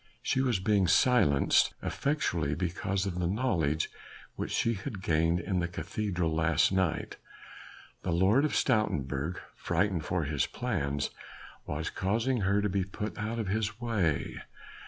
She was being silenced effectually because of the knowledge which she had gained in the cathedral last night. The Lord of Stoutenburg, frightened for his plans, was causing her to be put out of his way.